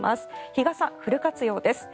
日傘、フル活用です。